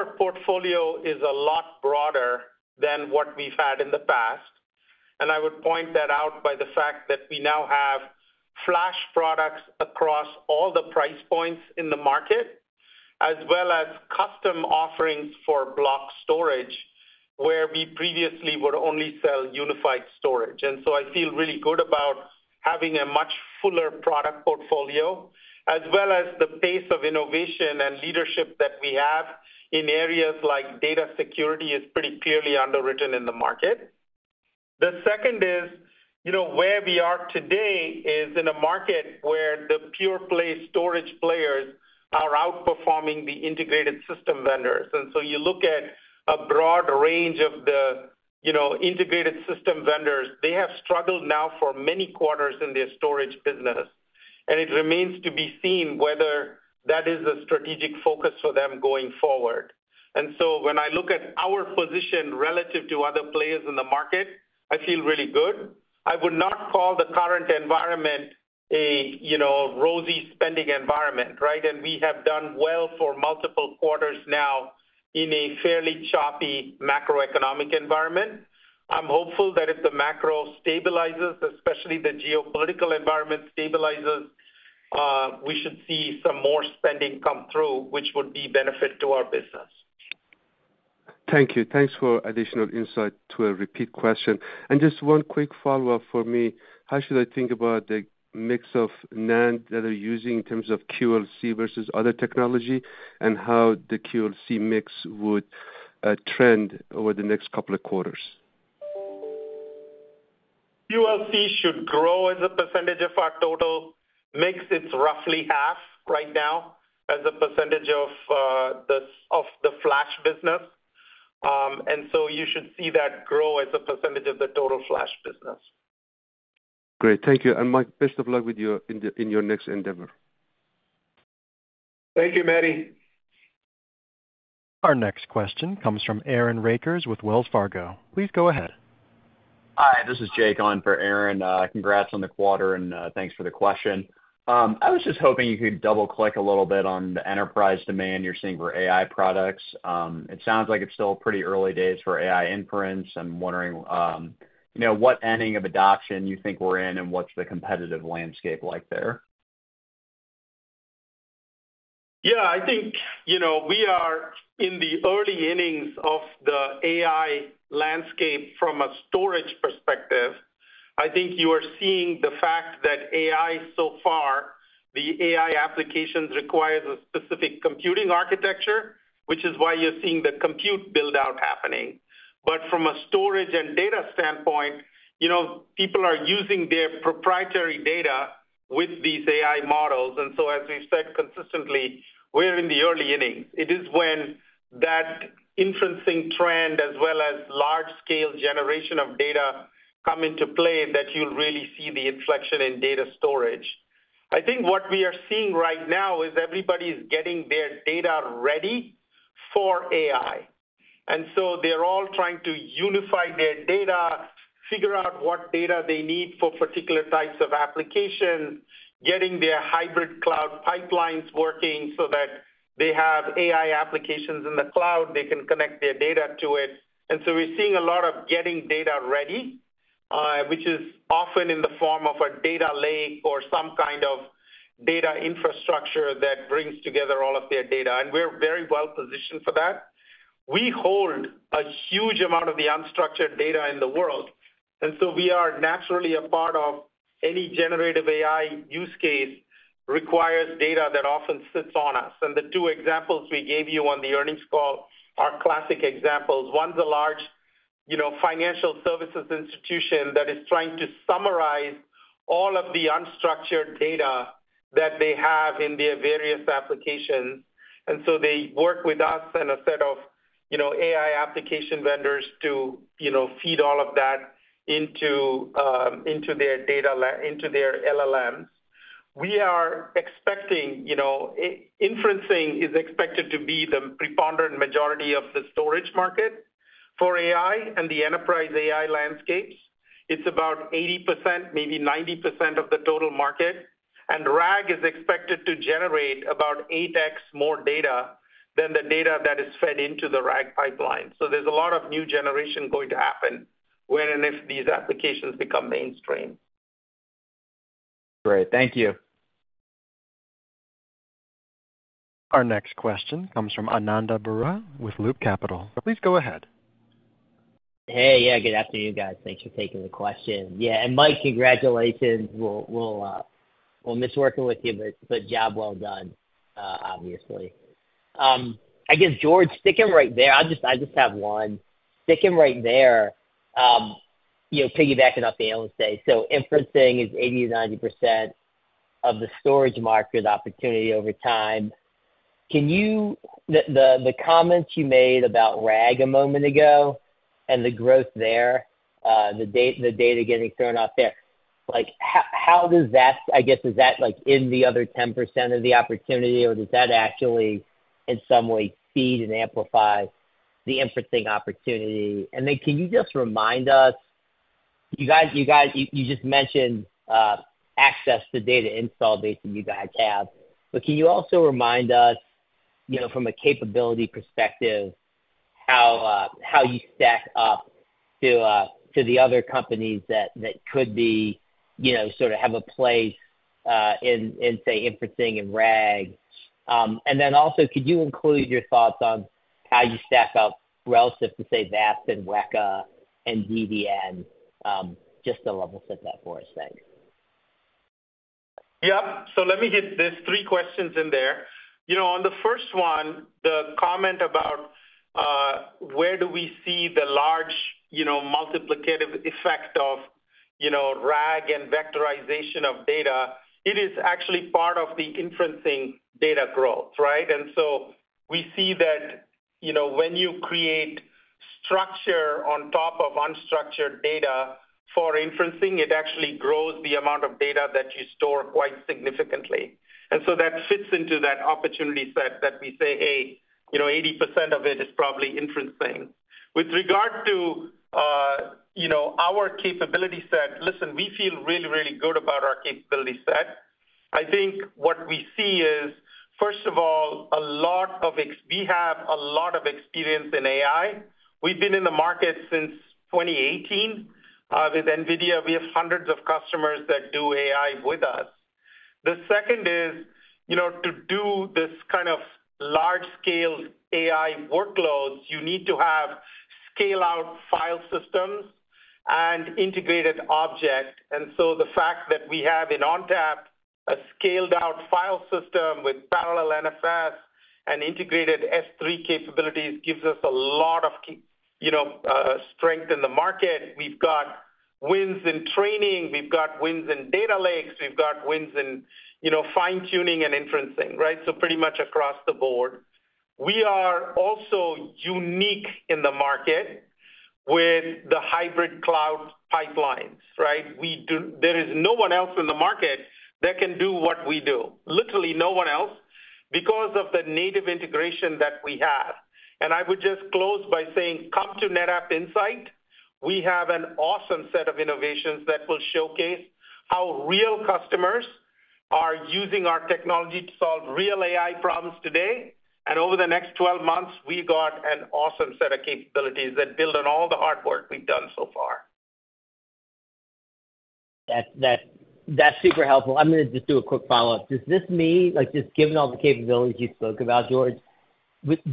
our portfolio is a lot broader than what we've had in the past, and I would point that out by the fact that we now have flash products across all the price points in the market, as well as custom offerings for block storage, where we previously would only sell unified storage. And so I feel really good about having a much fuller product portfolio, as well as the pace of innovation and leadership that we have in areas like data security, is pretty clearly underwritten in the market. The second is, you know, where we are today is in a market where the pure play storage players are outperforming the integrated system vendors. And so you look at a broad range of the, you know, integrated system vendors. They have struggled now for many quarters in their storage business, and it remains to be seen whether that is a strategic focus for them going forward. And so when I look at our position relative to other players in the market, I feel really good. I would not call the current environment a, you know, rosy spending environment, right? And we have done well for multiple quarters now in a fairly choppy macroeconomic environment. I'm hopeful that if the macro stabilizes, especially the geopolitical environment stabilizes, we should see some more spending come through, which would be benefit to our business. Thank you. Thanks for additional insight to a repeat question. Just one quick follow-up for me: How should I think about the mix of NAND that you're using in terms of QLC versus other technology, and how the QLC mix would trend over the next couple of quarters? QLC should grow as a percentage of our total mix. It's roughly half right now as a percentage of the flash business, and so you should see that grow as a percentage of the total flash business. Great, thank you. And Mike, best of luck with your in your next endeavor. Thank you, Mehdi. Our next question comes from Aaron Rakers with Wells Fargo. Please go ahead. Hi, this is Jake on for Aaron. Congrats on the quarter, and thanks for the question. I was just hoping you could double-click a little bit on the enterprise demand you're seeing for AI products. It sounds like it's still pretty early days for AI inference. I'm wondering, you know, what inning of adoption you think we're in, and what's the competitive landscape like there? Yeah, I think, you know, we are in the early innings of the AI landscape from a storage perspective. I think you are seeing the fact that AI so far, the AI applications requires a specific computing architecture, which is why you're seeing the compute build-out happening. But from a storage and data standpoint, you know, people are using their proprietary data with these AI models. And so as we've said consistently, we're in the early innings. It is when that inferencing trend, as well as large scale generation of data, come into play, that you'll really see the inflection in data storage. I think what we are seeing right now is everybody's getting their data ready for AI. And so they're all trying to unify their data, figure out what data they need for particular types of applications, getting their hybrid cloud pipelines working so that they have AI applications in the cloud, they can connect their data to it. And so we're seeing a lot of getting data ready, which is often in the form of a data lake or some kind of data infrastructure that brings together all of their data, and we're very well positioned for that. We hold a huge amount of the unstructured data in the world, and so we are naturally a part of any generative AI use case requires data that often sits on us. And the two examples we gave you on the earnings call are classic examples. One's a large, you know, financial services institution that is trying to summarize all of the unstructured data that they have in their various applications, and so they work with us and a set of, you know, AI application vendors to, you know, feed all of that into their LLMs. We are expecting, you know, inferencing is expected to be the preponderant majority of the storage market for AI and the enterprise AI landscapes. It's about 80%, maybe 90% of the total market, and RAG is expected to generate about 8X more data than the data that is fed into the RAG pipeline, so there's a lot of new generation going to happen when and if these applications become mainstream. Great. Thank you. Our next question comes from Ananda Baruah with Loop Capital. Please go ahead. Hey, yeah, good afternoon, guys. Thanks for taking the question. Yeah, and, Mike, congratulations. We'll miss working with you, but job well done, obviously. I guess, George, sticking right there, I have one. Sticking right there, you know, piggybacking off what you said, so inferencing is 80%-90% of the storage market opportunity over time. Can you. The comments you made about RAG a moment ago and the growth there, the data getting thrown off there, like, how does that, I guess, is that, like, in the other 10% of the opportunity, or does that actually, in some way, feed and amplify the inferencing opportunity? And then can you just remind us, you guys, you just mentioned, access to the data installed base that you guys have. But can you also remind us, you know, from a capability perspective, how you stack up to the other companies that could be, you know, sort of have a place in say, inferencing and RAG? And then also, could you include your thoughts on how you stack up relative to, say, VAST and Weka and DDN, just to level set that for us? Thanks. Yeah. So let me hit. There's three questions in there. You know, on the first one, the comment about where do we see the large, you know, multiplicative effect of, you know, RAG and vectorization of data, it is actually part of the inferencing data growth, right? And so we see that, you know, when you create structure on top of unstructured data for inferencing, it actually grows the amount of data that you store quite significantly. And so that fits into that opportunity set that we say, hey, you know, 80% of it is probably inferencing. With regard to, you know, our capability set, listen, we feel really, really good about our capability set. I think what we see is, first of all, we have a lot of experience in AI. We've been in the market since 2018. With NVIDIA, we have hundreds of customers that do AI with us. The second is, you know, to do this kind of large-scale AI workloads, you need to have scale-out file systems and integrated object. And so the fact that we have in ONTAP a scaled-out file system with parallel NFS and integrated S3 capabilities gives us a lot of you know, strength in the market. We've got wins in training, we've got wins in data lakes, we've got wins in, you know, fine-tuning and inferencing, right? So pretty much across the board. We are also unique in the market with the hybrid cloud pipelines, right? There is no one else in the market that can do what we do. Literally no one else, because of the native integration that we have. And I would just close by saying, come to NetApp Insight. We have an awesome set of innovations that will showcase how real customers are using our technology to solve real AI problems today, and over the next 12 months, we've got an awesome set of capabilities that build on all the hard work we've done so far. That's super helpful. I'm gonna just do a quick follow-up. Does this mean, like, just given all the capabilities you spoke about, George,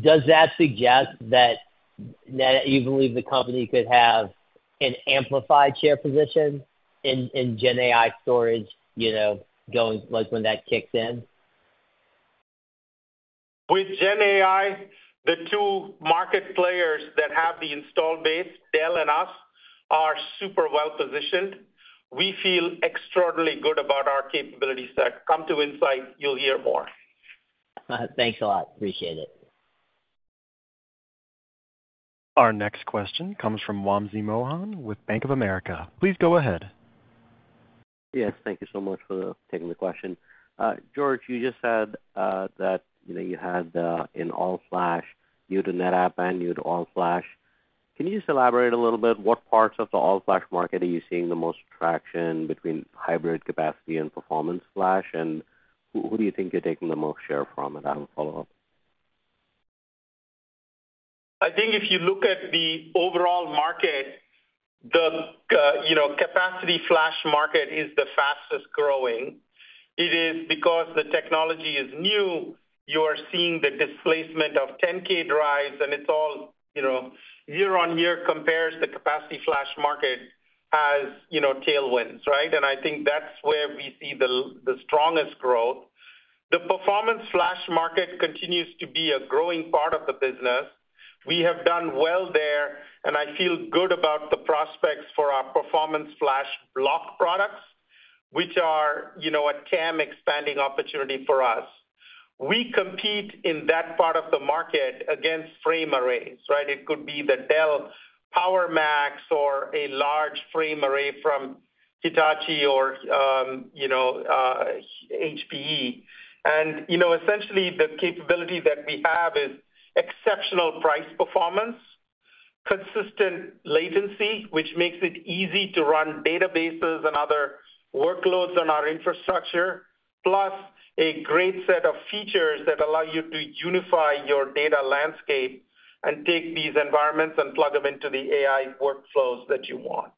does that suggest that you believe the company could have an amplified share position in GenAI storage, you know, going, like, when that kicks in? With GenAI, the two market players that have the installed base, Dell and us, are super well positioned. We feel extraordinarily good about our capability set. Come to Insight, you'll hear more. Thanks a lot. Appreciate it. Our next question comes from Wamsi Mohan with Bank of America. Please go ahead. Yes, thank you so much for taking the question. George, you just said that, you know, you had an all-flash new to NetApp and new to all-flash. Can you just elaborate a little bit what parts of the all-flash market are you seeing the most traction between hybrid capacity and performance flash? And who do you think you're taking the most share from? And I have a follow-up. I think if you look at the overall market, the, you know, capacity flash market is the fastest-growing. It is because the technology is new, you are seeing the displacement of 10K drives, and it's all, you know, year on year compares the capacity flash market has, you know, tailwinds, right? And I think that's where we see the the strongest growth. The performance flash market continues to be a growing part of the business. We have done well there, and I feel good about the prospects for our performance flash block products, which are, you know, a TAM expanding opportunity for us. We compete in that part of the market against frame arrays, right? It could be the Dell PowerMax or a large frame array from Hitachi or, you know, HPE. And, you know, essentially, the capability that we have is exceptional price performance, consistent latency, which makes it easy to run databases and other workloads on our infrastructure, plus a great set of features that allow you to unify your data landscape and take these environments and plug them into the AI workflows that you want.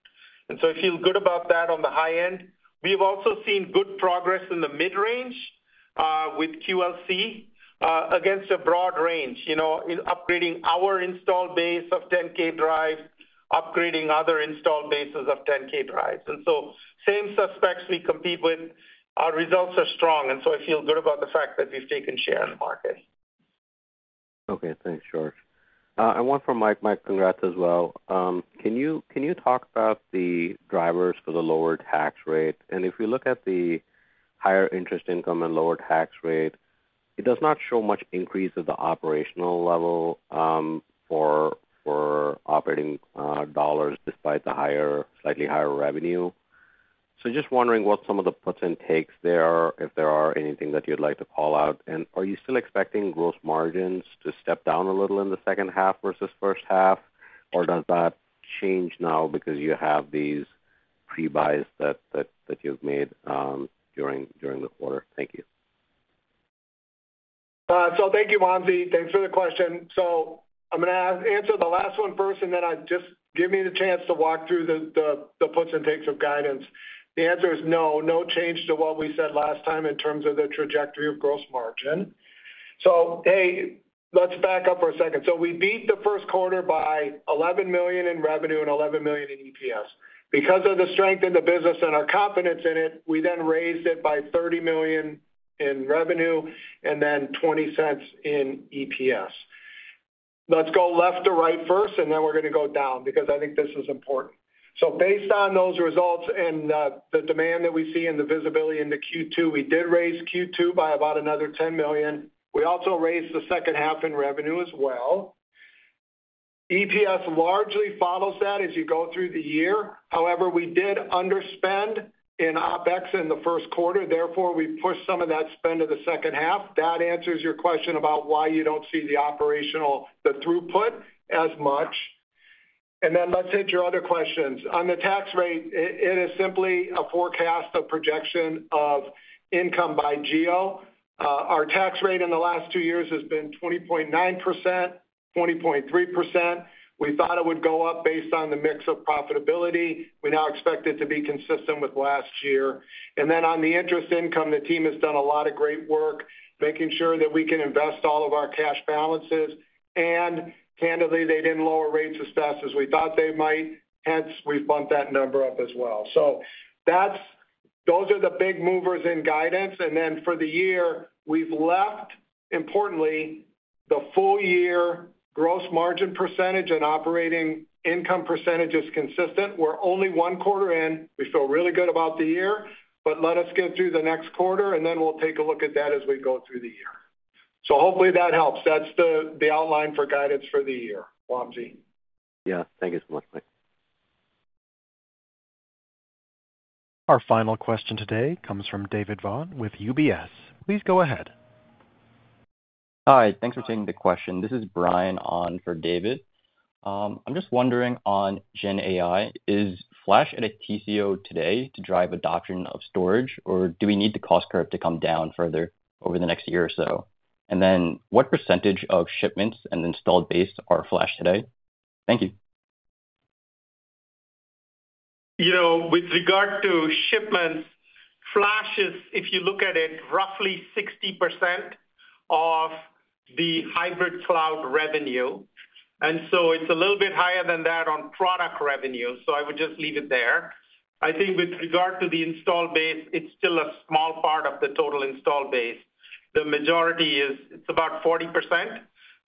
And so I feel good about that on the high end. We've also seen good progress in the mid-range, with QLC against a broad range, you know, in upgrading our installed base of 10K drives, upgrading other installed bases of 10K drives. And so same suspects we compete with. Our results are strong, and so I feel good about the fact that we've taken share in the market. Okay, thanks, George. And one from Mike. Mike, congrats as well. Can you talk about the drivers for the lower tax rate? And if you look at the higher interest income and lower tax rate, it does not show much increase at the operational level for operating dollars, despite the higher, slightly higher revenue. So just wondering what some of the puts and takes there are, if there are anything that you'd like to call out. And are you still expecting gross margins to step down a little in the second half versus first half, or does that change now because you have these pre-buys that you've made during the quarter? Thank you. So thank you, Wamsi. Thanks for the question. So I'm gonna answer the last one first, and then I'd just give me the chance to walk through the puts and takes of guidance. The answer is no, no change to what we said last time in terms of the trajectory of gross margin. So, hey, let's back up for a second. So we beat the first quarter by $11 million in revenue and 11 million in EPS. Because of the strength in the business and our confidence in it, we then raised it by $30 million in revenue and then 20 cents in EPS. Let's go left to right first, and then we're gonna go down, because I think this is important. Based on those results and the demand that we see and the visibility into Q2, we did raise Q2 by about another $10 million. We also raised the second half in revenue as well. EPS largely follows that as you go through the year. However, we did underspend in OpEx in the first quarter, therefore we pushed some of that spend to the second half. That answers your question about why you don't see the operational throughput as much, and then let's hit your other questions. On the tax rate, it is simply a forecast, a projection of income by geo. Our tax rate in the last two years has been 20.9%, 20.3%. We thought it would go up based on the mix of profitability. We now expect it to be consistent with last year. And then on the interest income, the team has done a lot of great work making sure that we can invest all of our cash balances, and candidly, they didn't lower rates as fast as we thought they might, hence, we've bumped that number up as well. So that's those are the big movers in guidance. And then for the year, we've left, importantly, the full year gross margin percentage and operating income percentage is consistent. We're only one quarter in. We feel really good about the year, but let us get through the next quarter, and then we'll take a look at that as we go through the year. So hopefully that helps. That's the outline for guidance for the year, Wamsi. Yeah. Thank you so much, Mike. Our final question today comes from David Vogt with UBS. Please go ahead. Hi, thanks for taking the question. This is Brian on for David. I'm just wondering on Gen AI, is Flash at a TCO today to drive adoption of storage, or do we need the cost curve to come down further over the next year or so? And then, what percentage of shipments and installed base are Flash today? Thank you. You know, with regard to shipments, Flash is, if you look at it, roughly 60% of the hybrid cloud revenue, and so it's a little bit higher than that on product revenue, so I would just leave it there. I think with regard to the install base, it's still a small part of the total install base. The majority is. It's about 40%.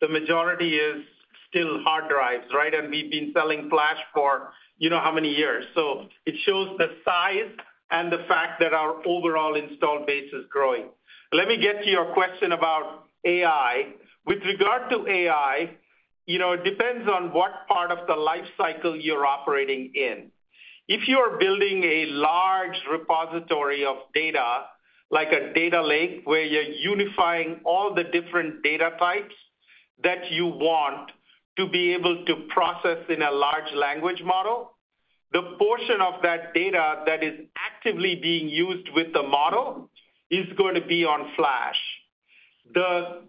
The majority is still hard drives, right? And we've been selling Flash for, you know, how many years. So it shows the size and the fact that our overall install base is growing. Let me get to your question about AI. With regard to AI, you know, it depends on what part of the life cycle you're operating in. If you are building a large repository of data, like a data lake, where you're unifying all the different data types that you want to be able to process in a large language model, the portion of that data that is actively being used with the model is going to be on flash. The,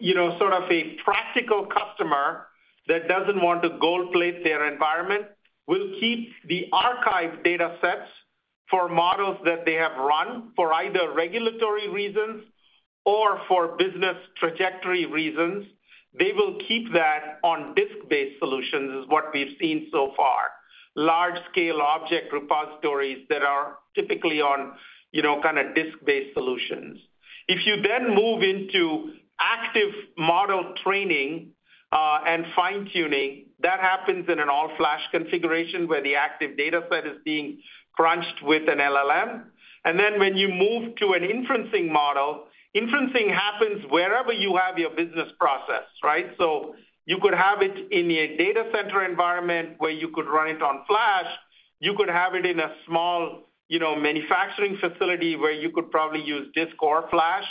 you know, sort of a practical customer that doesn't want to gold plate their environment will keep the archive data sets for models that they have run for either regulatory reasons or for business trajectory reasons. They will keep that on disk-based solutions, is what we've seen so far. Large-scale object repositories that are typically on, you know, kind of disk-based solutions. If you then move into active model training, and fine-tuning, that happens in an all-flash configuration, where the active data set is being crunched with an LLM. And then when you move to an inferencing model, inferencing happens wherever you have your business process, right? So you could have it in a data center environment where you could run it on Flash. You could have it in a small, you know, manufacturing facility where you could probably use disk or Flash,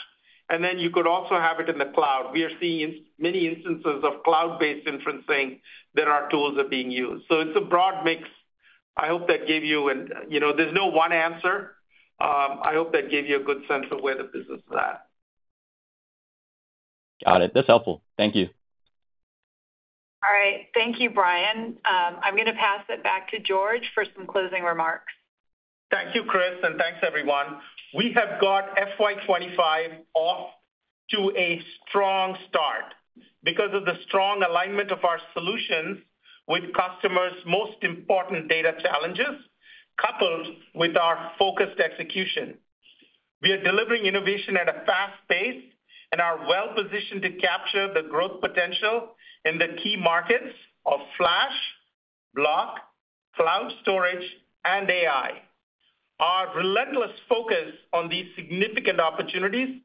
and then you could also have it in the cloud. We are seeing many instances of cloud-based inferencing that our tools are being used. So it's a broad mix. I hope that gave you... You know, there's no one answer. I hope that gave you a good sense of where the business is at. Got it. That's helpful. Thank you. All right. Thank you, Brian. I'm gonna pass it back to George for some closing remarks. Thank you, Kris, and thanks, everyone. We have got FY 2025 off to a strong start because of the strong alignment of our solutions with customers' most important data challenges, coupled with our focused execution. We are delivering innovation at a fast pace and are well-positioned to capture the growth potential in the key markets of Flash, Block, cloud storage, and AI. Our relentless focus on these significant opportunities,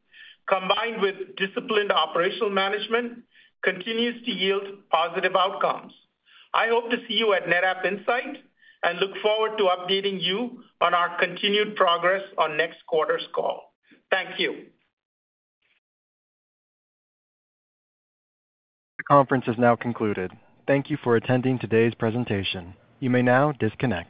combined with disciplined operational management, continues to yield positive outcomes. I hope to see you at NetApp Insight, and look forward to updating you on our continued progress on next quarter's call. Thank you. The conference is now concluded. Thank you for attending today's presentation. You may now disconnect.